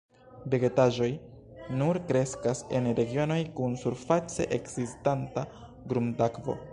Vegetaĵoj nur kreskas en regionoj kun surface ekzistanta grundakvo.